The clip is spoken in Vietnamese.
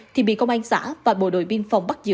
thì bị công an xã và bộ đội biên phòng bắt giữ